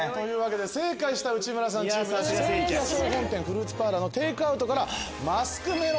正解した内村さんチームには千疋屋総本店フルーツパーラーのテイクアウトから。